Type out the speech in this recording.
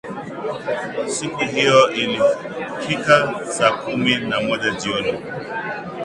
Siku hiyo alifika saa kumi na moja jioni